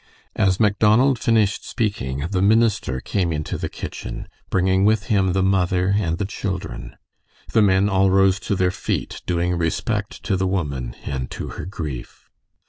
As Macdonald finished speaking, the minister came into the kitchen, bringing with him the mother and the children. The men all rose to their feet, doing respect to the woman and to her grief.